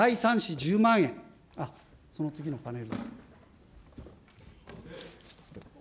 １０万円、その次のパネル。